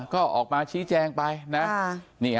ก็ออกมาชี้แจงไปนะ